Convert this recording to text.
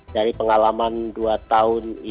dari pengalaman dua tahun